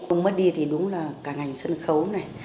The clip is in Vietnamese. ông mất đi thì đúng là cả ngành sân khấu này